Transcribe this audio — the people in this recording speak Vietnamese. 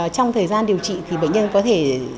trong thời gian điều trị thì bệnh nhân có thể